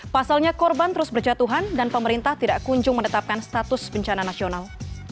pasalnya korban terus berjatuhan dan pemerintah tidak kunjung menetapkan status bencana nasional